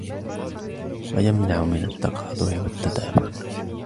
وَيَمْنَعُ مِنْ التَّقَاطُعِ وَالتَّدَابُرِ